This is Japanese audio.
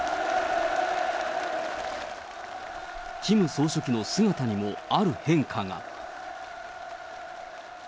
キム総書記の姿にもある変化が。